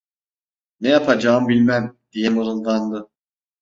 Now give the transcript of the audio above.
"Ne yapacağım bilmem" diye mırıldandı.